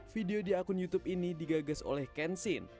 video di akun youtube ini digagas oleh kensin